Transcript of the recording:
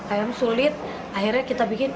ayam sulit akhirnya kita bikin